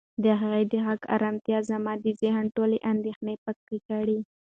د هغې د غږ ارامتیا زما د ذهن ټولې اندېښنې پاکې کړې.